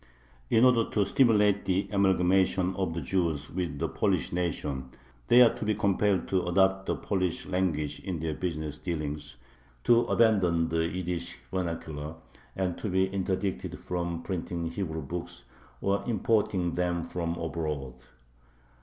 In order to stimulate the amalgamation of the Jews with the Polish nation, they are to be compelled to adopt the Polish language in their business dealings, to abandon the Yiddish vernacular, and to be interdicted from printing Hebrew books or importing them from abroad.